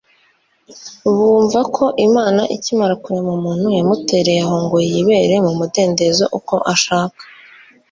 Bumvaga ko Imana ikimara kurema umuntu yamutereye aho ngo yibere mu mudendezo uko ashaka.